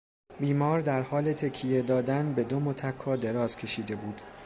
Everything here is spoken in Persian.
بیمار در حال تکیه دادن به دو متکا دراز کشیده بود.